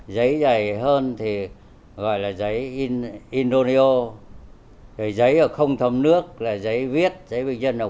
giấy dày hơn thì gọi là giấy indoneo giấy ở không thấm nước là giấy viết giấy bình dân hợp vụ